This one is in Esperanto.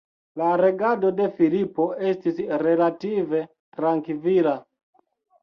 La regado de Filipo estis relative trankvila.